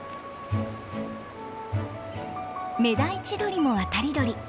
メダイチドリも渡り鳥。